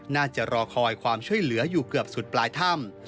น่าจะรอคอยความช่วยเหลืออยู่เกือบสุดปลายถ้ำ